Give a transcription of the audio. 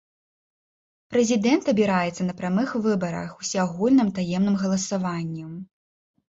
Прэзідэнт абіраецца на прамых выбарах усеагульным таемным галасаваннем.